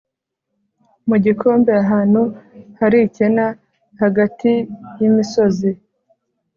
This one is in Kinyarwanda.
mu gikombe ahantu hari ikena hagati y'imisozi